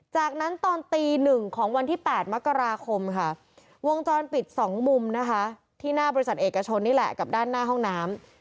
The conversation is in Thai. จากนั้นตอนตีหนึ่งของวันที่๘มกราคมค่ะวงจรปิด๒มุมนะคะที่หน้าบริษัทเอกชนนี่แหละกับด้านหน้าห้องน้ำ